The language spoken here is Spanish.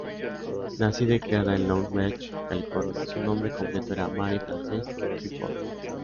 Nacida y criada en Long Beach, California, su nombre completo era Mary Frances Gifford.